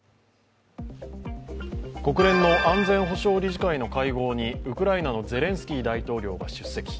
国連の安全保障理事会の会合にウクライナのゼレンスキー大統領が出席。